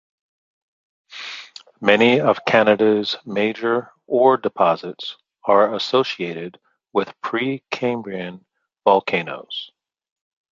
Many of Canada's major ore deposits are associated with Precambrian volcanoes.